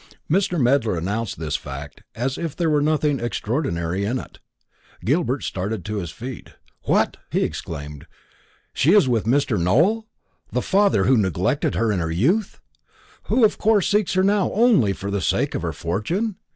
Mr. Medler announced this fact as if there were nothing extraordinary in it. Gilbert started to his feet. "What!" he exclaimed; "she is with Mr. Nowell the father who neglected her in her youth, who of course seeks her now only for the sake of her fortune?